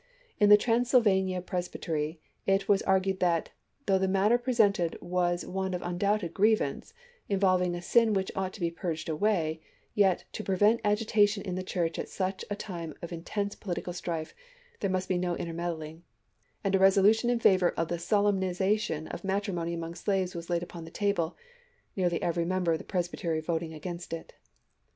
In the Transylvania Pres bytery it was argued that " Though the matter pre sented was one of undoubted grievance, involving a sin which ought to be purged away, yet, to prevent agitation in the Church at such a time of intense political strife, there must be no intermeddling," and a resolution in favor of the solemnization of matri mony among slaves was laid upon the table, nearly every member of the Presbytery voting against it.